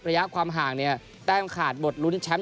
ระยะความห่างเนี่ยแต้มขาดบทลุ้นแชมป์